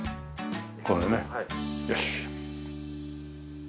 これでねよし。